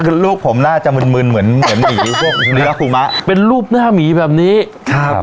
ก็ลูกผมหน้าจะมืนมืนเหมือนเหมือนหมีพวกเป็นรูปหน้าหมีแบบนี้ครับ